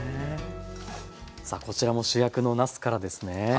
さあこちらも主役のなすからですね。